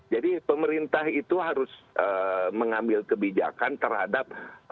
jadi pemerintah itu harus mengambil kebijakan terhadap